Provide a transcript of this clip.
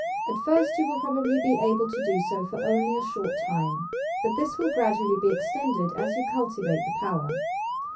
At first you will probably be able to do so for only a short time ; but this will gradu ally be extended as you cultivate the power.